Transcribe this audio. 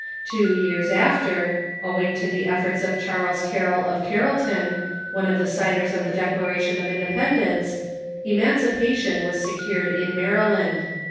Two years after, owing to the efforts of the^Rev'oi'ution Charles Carroll of Carrollton, one of the signers of the Declai'ation of Independence, emancipation was secured in Maryland.